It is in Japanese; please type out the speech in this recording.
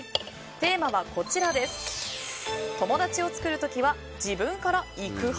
テーマは、友達を作るときは自分から行く派？